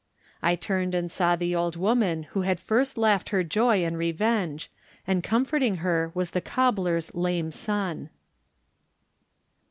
I turned and saw the old woman who had first laughed her joy and revenge, and comforting her was the cobbler's lame son.